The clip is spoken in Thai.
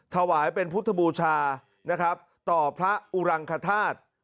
ถวายเป็นพุทธบูชานะครับต่อพระอุรังคธาตุ